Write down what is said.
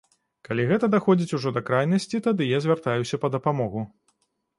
Калі гэта даходзіць ужо да крайнасці, тады я звяртаюся па дапамогу.